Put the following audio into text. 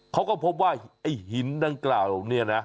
เขาก็พบว่าไอ้หินดังกล่าวเนี่ยนะ